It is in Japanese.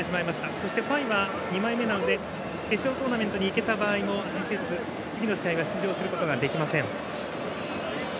そしてファイは２枚目なので決勝トーナメントに行けた場合も次の試合は出場することができません。